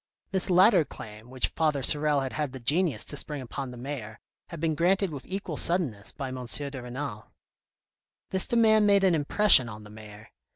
This latter claim, which Father Sorel had had the genius to spring upon the mayor, had been granted with equal suddenness by M. de Renal. This demand made an impression on the mayor.